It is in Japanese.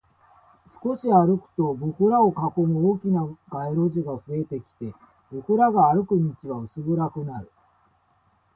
少し歩くと、僕らを囲む大きな街路樹が増えてきて、僕らが歩く道は薄暗くなる